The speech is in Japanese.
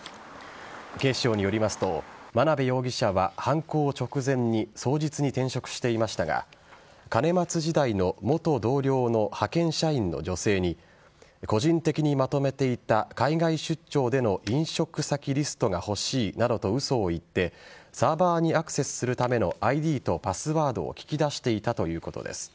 警視庁によりますと真鍋容疑者は犯行直前に双日に転職していましたが兼松時代の元同僚の派遣社員の女性に個人的にまとめていた海外出張での飲食先リストが欲しいなどと嘘を言ってサーバーにアクセスするためのＩＤとパスワードを聞き出していたということです。